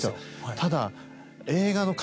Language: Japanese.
ただ。